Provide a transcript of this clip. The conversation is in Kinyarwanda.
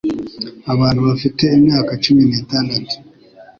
abantu bafite imyaka cumi nitandatu